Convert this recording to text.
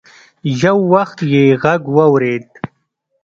يو وخت يې غږ واورېد.